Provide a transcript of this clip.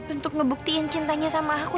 untuk ngebuktiin cintanya sama aku